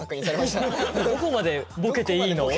どこまでもボケていいよ。